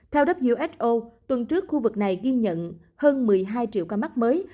theo who tuần trước khu vực này ghi nhận hơn một mươi hai triệu ca mắc mới